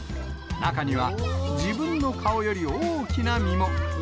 中には自分の顔より大きな実も。